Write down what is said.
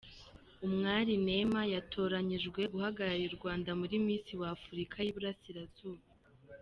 Umwari Nema yatoranyijwe guhagararira u Rwanda muri Misi wafurika yiburasirazuba